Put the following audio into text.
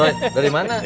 doi dari mana